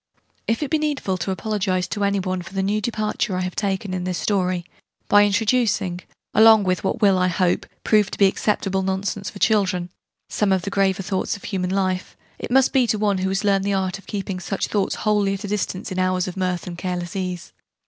If it be needful to apologize to any one for the new departure I have taken in this story by introducing, along with what will, I hope, prove to be acceptable nonsense for children, some of the graver thoughts of human life it must be to one who has learned the Art of keeping such thoughts wholly at a distance in hours of mirth and careless ease.